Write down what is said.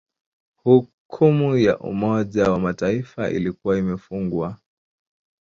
Hukumu ya Umoja wa Mataifa ilikuwa imefungwa